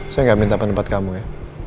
saya nggak minta pendapat kamu ya